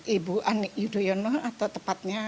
ibu ani yudhoyono atau tepatnya